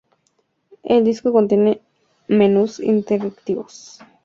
El disco contiene menús interactivos, acceso directo a escenas y tráiler cinematográfico.